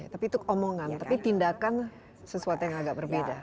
tapi itu omongan tapi tindakan sesuatu yang agak berbeda